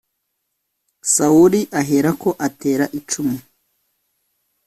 Sawuli aherako atera icumu